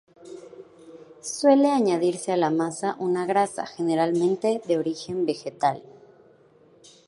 Suele añadirse a la masa una grasa, generalmente de origen vegetal.